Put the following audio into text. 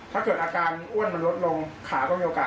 ถ้าเกิดอาการอ้วนมันลดลงขาก็มีโอกาส